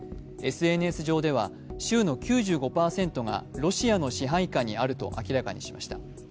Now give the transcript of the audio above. ＳＮＳ上では州の９５％がロシアの支配下にあると明らかにしました。